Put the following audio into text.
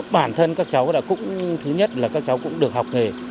bản thân các cháu cũng thứ nhất là các cháu cũng được học nghề